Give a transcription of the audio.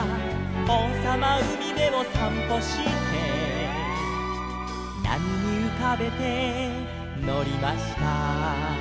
「おうさまうみべをさんぽして」「なみにうかべてのりました」